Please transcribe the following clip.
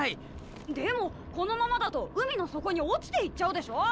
でもこのままだと海の底に落ちていっちゃうでしょ！